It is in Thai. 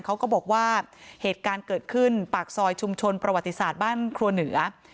เขาก็บอกว่าเหตุการณ์เกิดขึ้นปากซอยชุมชนประวัติศาสตร์บ้านครัวเหนือ